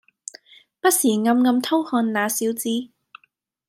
不時暗暗偷看那小子